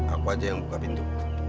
aku aja yang buka pintu